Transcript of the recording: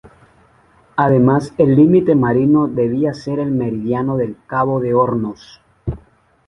Además, el límite marino debía ser el meridiano del Cabo de Hornos.